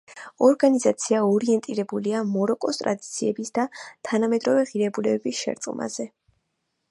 ორგანიზაცია ორიენტირებულია მაროკოს ტრადიციების და თანამედროვე ღირებულებების შერწყმაზე.